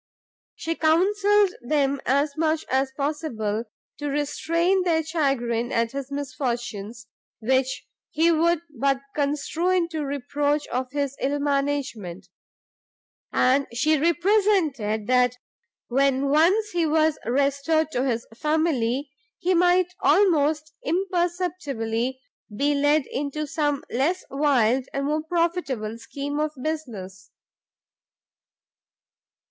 She counselled them as much as possible to restrain their chagrin at his misfortunes, which he would but construe into reproach of his ill management; and she represented that when once he was restored to his family, he might almost imperceptibly be led into some less wild and more profitable scheme of business.